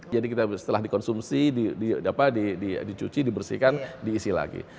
jadi kita setelah dikonsumsi dicuci dibersihkan diisi lagi